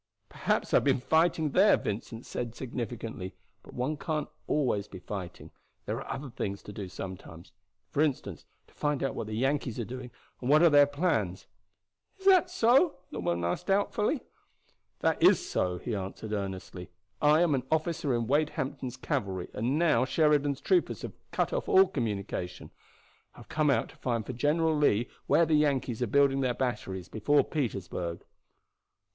"Perhaps I have been fighting there," Vincent said significantly. "But one can't be always fighting, and there are other things to do sometimes. For instance, to find out what the Yankees are doing and what are their plans." "Is that so?" the woman asked doubtfully. "That is so," he answered earnestly. "I am an officer in Wade Hampton's cavalry, and, now Sheridan's troopers have cut off all communication, I have come out to find for General Lee where the Yankees are building their batteries before Petersburg."